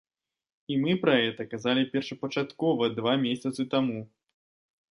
І мы пра гэта казалі першапачаткова два месяцы таму.